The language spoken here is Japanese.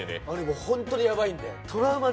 本当にやばいんで。